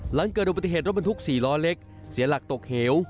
หลังเกิดอุบัติเหตุรถบรรทุก๔ล้อเล็กเสียหลักตกเหว